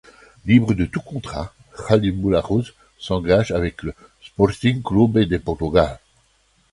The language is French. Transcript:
Libre de tout contrat, Khalid Boulahrouz s'engage avec le Sporting Clube de Portugal.